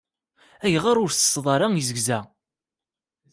Ayɣeṛ ur tsetttteḍ ara izegza?